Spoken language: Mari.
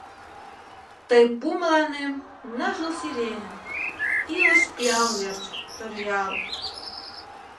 Тый пу мыланем Ныжыл сиреньым Илыш пиал верч, Торъял.